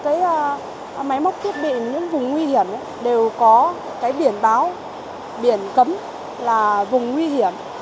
cái máy móc thiết bị những vùng nguy hiểm đều có cái biển báo biển cấm là vùng nguy hiểm